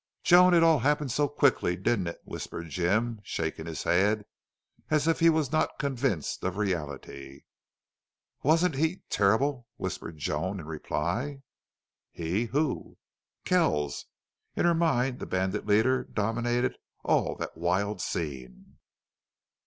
"Joan, it all happened so quickly, didn't it?" whispered Jim, shaking his head as if he was not convinced of reality. "Wasn't he terrible!" whispered Joan in reply. "He! Who?" "Kells." In her mind the bandit leader dominated all that wild scene.